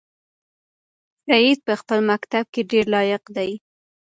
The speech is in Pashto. سعید په خپل مکتب کې ډېر لایق دی.